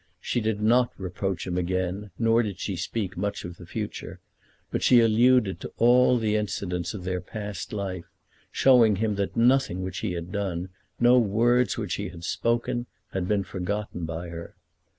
She did not reproach him again, nor did she speak much of the future; but she alluded to all the incidents of their past life, showing him that nothing which he had done, no words which he had spoken, had been forgotten by her.